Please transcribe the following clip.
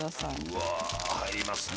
うわあ入りますね。